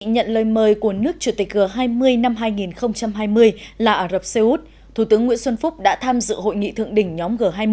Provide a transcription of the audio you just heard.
nhận lời mời của nước chủ tịch g hai mươi năm hai nghìn hai mươi là ả rập xê út thủ tướng nguyễn xuân phúc đã tham dự hội nghị thượng đỉnh nhóm g hai mươi